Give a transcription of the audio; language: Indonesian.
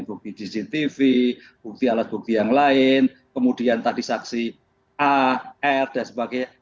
bukti dctv bukti alat bukti yang lain kemudian tadi saksi ar dan sebagainya